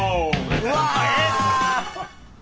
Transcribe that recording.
うわ！